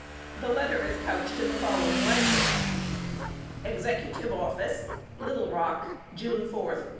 The letter is couched in the following language: "EXECUTIVE OFFICE, "Little Rock, June 4th, 1838.